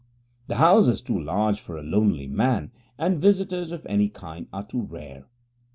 The house is too large for a lonely man, and visitors of any kind are too rare.